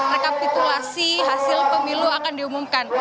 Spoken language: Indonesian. rekapitulasi hasil pemilu akan diumumkan